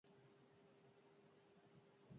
Nobelarekin sentitzen zara erosoen?